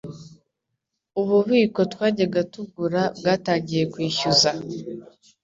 Ububiko twajyaga tugura bwatangiye kwishyuza